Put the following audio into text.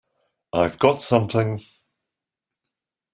I've got something!